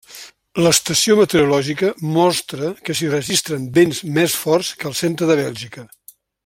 L'estació meteorològica mostra que s'hi registren vents més forts que al centre de Bèlgica.